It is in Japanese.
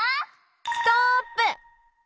ストップ！